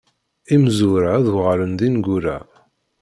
Imezwura ad uɣalen d ineggura.